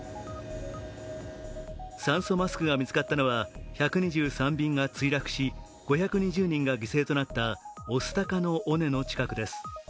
酸素マスクが見つかったのは１２３便が墜落し５２０人が犠牲となった御巣鷹の尾根の近くです。